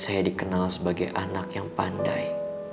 saya dikenal sebagai anak yang pandai